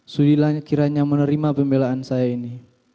sudilah kiranya menerima pembelaan saya ini